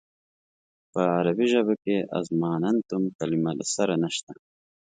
په عربي ژبه کې اظماننتم کلمه له سره نشته.